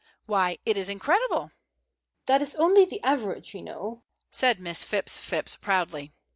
Why, it is incredible!" "That is only the average, you know," said Miss Phipps Phipps, proudly.